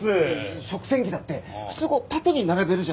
食洗機だって普通こう縦に並べるじゃないですか。